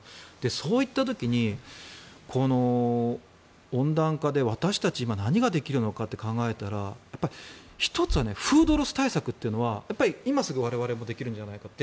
そういった時に温暖化で私たちに今、何ができるのかと考えたら１つはフードロス対策というのは今すぐ我々もできるんじゃないか。